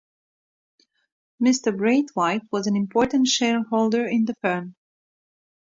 Mr. Braithwaite was an important shareholder in the firm.